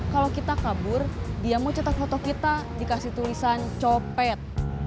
kalau kita kabur dia mau cetak foto kita dikasih tulisan copet